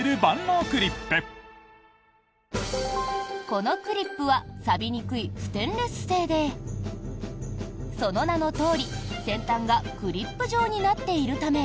このクリップはさびにくいステンレス製でその名のとおり、先端がクリップ状になっているため